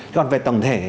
còn về tổng thể